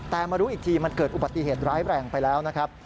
แต่มารู้อีกทีมันเกิดอุบัติเหตุร้ายแรงไปแล้วนะครับ